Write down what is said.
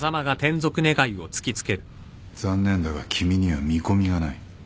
残念だが君には見込みがない。